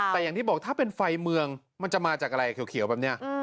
แต่อย่างที่บอกถ้าเป็นไฟเมืองมันจะมาจากอะไรเขียวแบบนี้